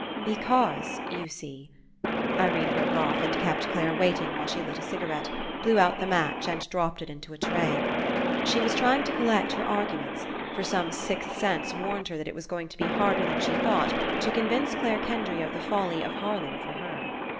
"Because, you see —" Irene broke off and kept Clare waiting while she lit a cigarette, blew out the match, and dropped it Into a tray. She was trying to collect her arguments, for some sixth sense warned her that It was going to be harder than she thought to convince Clare Kendry of the folly of Harlem for her.